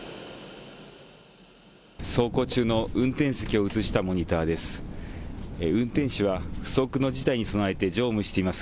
走行中の運転席を映したモニターです。